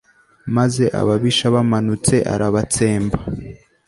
maze ababisha bamanutse, arabatsemba